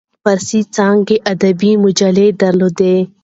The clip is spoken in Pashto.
فارسي څانګه ادبیات مجله درلوده.